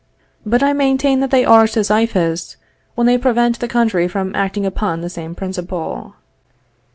But I maintain that they are Sisyphists when they prevent the country from acting upon the same principle.